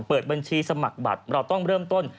เปิดบัญชีสมัครบัตรเราต้องเริ่มต้น